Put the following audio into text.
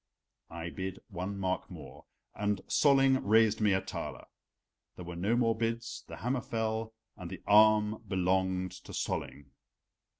I bid one mark more, and Solling raised me a thaler. There were no more bids, the hammer fell, and the arm belonged to Solling.